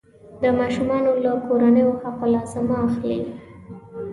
د ماشومانو له کورنیو حق الزحمه واخلي.